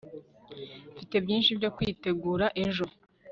mfite byinshi byo kwitegura ejo